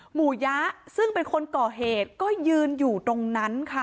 หมู่ยะซึ่งเป็นคนก่อเหตุก็ยืนอยู่ตรงนั้นค่ะ